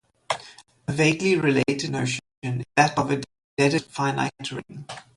A vaguely related notion is that of a Dedekind-finite ring.